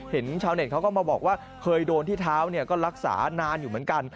ชาวเน็ตเขาก็มาบอกว่าเคยโดนที่เท้าก็รักษานานอยู่เหมือนกัน